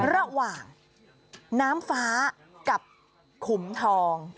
ระหว่างน้ำฟ้ากับขุมทอง